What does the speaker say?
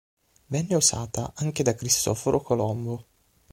Venne usata anche da Cristoforo Colombo.